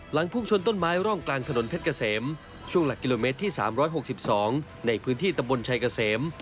พุ่งชนต้นไม้ร่องกลางถนนเพชรเกษมช่วงหลักกิโลเมตรที่๓๖๒ในพื้นที่ตำบลชัยเกษม